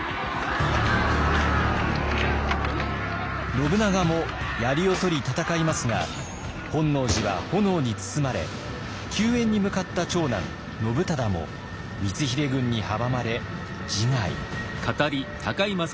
信長もやりを取り戦いますが本能寺は炎に包まれ救援に向かった長男信忠も光秀軍に阻まれ自害。